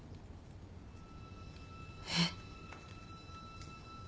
えっ。